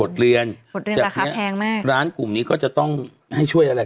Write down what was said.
บทเรียนบทเรียนราคาแพงมากจากเนี้ยร้านกลุ่มนี้ก็จะต้องให้ช่วยอะไร